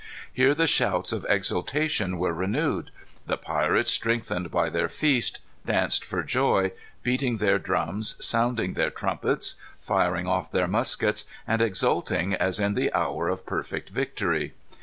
Here the shouts of exultation were renewed. The pirates, strengthened by their feast, danced for joy, beating their drums, sounding their trumpets, firing off their muskets, and exulting as in the hour of perfect victory.